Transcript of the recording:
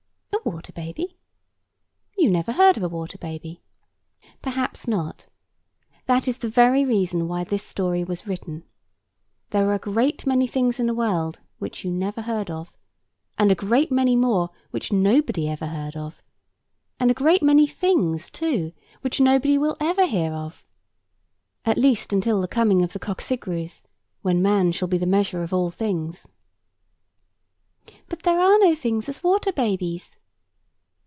A water baby? You never heard of a water baby. Perhaps not. That is the very reason why this story was written. There are a great many things in the world which you never heard of; and a great many more which nobody ever heard of; and a great many things, too, which nobody will ever hear of, at least until the coming of the Cocqcigrues, when man shall be the measure of all things. "But there are no such things as water babies."